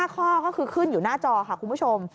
๕ข้อก็คือขึ้นอยู่หน้าจอค่ะคุณผู้ชม